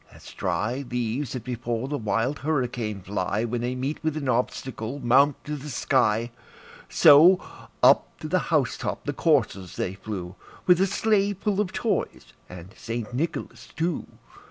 As dry leaves that before the wild hurricane fly, When they meet with an obstacle, mount to the sky, So, up to the house top the coursers they flew, With a sleigh full of toys and St. Nicholas too.